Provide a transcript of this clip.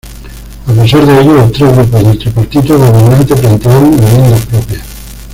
A pesar de ello, los tres grupos del tripartito gobernante plantearon enmiendas propias.